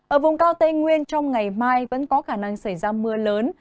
ở vùng cao tây nguyên trong ngày mai vẫn có khả năng xảy ra mưa lớn